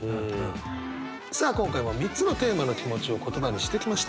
さあ今回は３つのテーマの気持ちを言葉にしてきました。